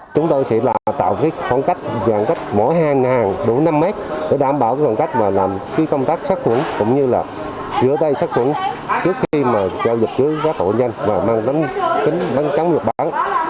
chúng tôi sẽ tạo khoảng cách mỗi hàng đủ năm mét để đảm bảo khoảng cách và làm công tác sát chuẩn cũng như giữa tay sát chuẩn trước khi giao dịch với các tổ nhân và mang tính bánh trắng nhập bán